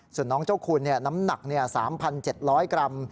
ส่วนน้องเจ้าคุณน้ำหนัก๓๗๐๐กรัม